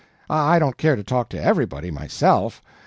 I don't care to talk to everybody, MYSELF.